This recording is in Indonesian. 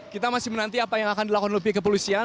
kita masih menanti apa yang akan dilakukan oleh pihak kepolisian